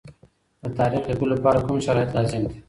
د تاریخ لیکلو لپاره کوم شرایط لازم دي؟